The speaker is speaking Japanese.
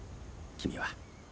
君は。